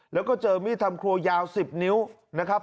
แล้วก็เจอมีดทำครัวยาว๑๐นิ้วนะครับ